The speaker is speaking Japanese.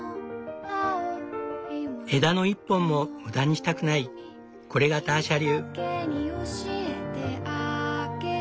枝の一本も無駄にしたくないこれがターシャ流。